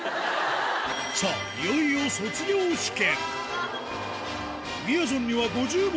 さあ、いよいよ卒業試験。